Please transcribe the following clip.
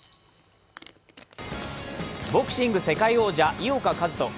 ボクシング世界王者井岡一翔。